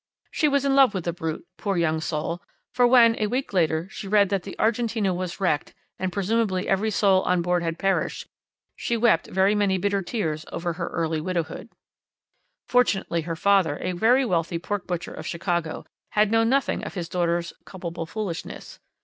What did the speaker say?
She was in love with the brute, poor young soul, for when, a week later, she read that the Argentina was wrecked, and presumably every soul on board had perished, she wept very many bitter tears over her early widowhood. "Fortunately her father, a very wealthy pork butcher of Chicago, had known nothing of his daughter's culpable foolishness.